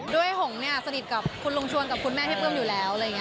ด้วยหงห์เนี่ยสนิทกับคุณลุงชวนกับคุณแม่พี่ปลื้มอยู่แล้ว